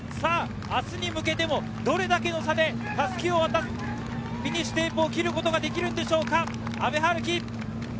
明日に向けても、どれだけの差でフィニッシュテープを切ることができるのでしょうか。